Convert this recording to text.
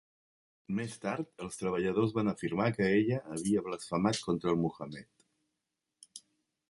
Més tard els treballadors van afirmar que ella havia blasfemat contra el Muhammed.